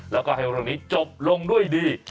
แล้วก็ให้เรื่องนี้จบลงด้วยดี